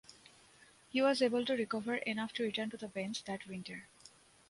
He was able to recover enough to return to the bench that winter.